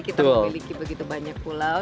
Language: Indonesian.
kita memiliki begitu banyak pulau